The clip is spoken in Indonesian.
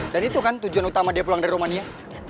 dan itu kan tujuan utama dia pulang dari romania